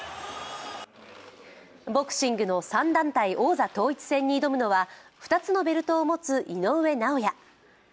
ボクシングの３団体王座統一戦に挑むのは２つのベルトを持つ井上尚弥。